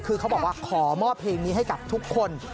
คือเขาบอกว่าขอมอบเพลงนี้ให้กับทุกคน